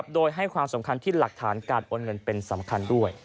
โดยให้ความสำคัญที่หลักฐานการโอนเงินเป็นสำคัญด้วย